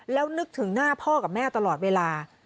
แล้วนึกถึงหน้าพ่อกับแม่ตลอดเวลา